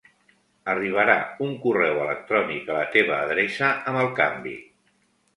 Arribarà un correu electrònic a la teva adreça amb el canvi.